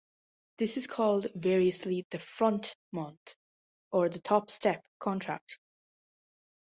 This is called variously the "front" month or the "top step" contract.